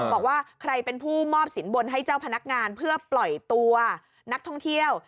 บอกว่าใครเป็นผู้มอบสินบนให้เจ้าพนักงานเพื่อปล่อยตัวนักท่องเที่ยว